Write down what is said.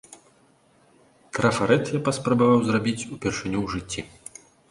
Трафарэт я паспрабаваў зрабіць упершыню ў жыцці.